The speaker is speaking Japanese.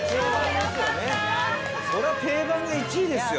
そりゃ定番が１位ですよ。